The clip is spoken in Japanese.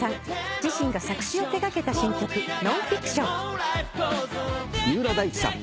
自身が作詞を手掛けた新曲『ノンフィクション』三浦大知さん。